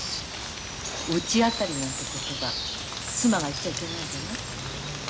「うちあたり」なんて言葉妻が言っちゃいけないんじゃない？